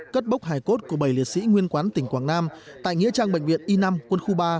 cất bốc hải cốt của bảy liệt sĩ nguyên quán tỉnh quảng nam tại nghĩa trang bệnh viện i năm quân khu ba